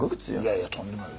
いやいやとんでもない。